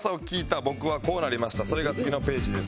それが次のページです。